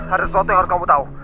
ada sesuatu yang harus kamu tahu